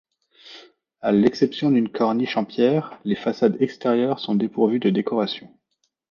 À l'exception d'une corniche en pierre, les façades extérieures sont dépourvues de décoration.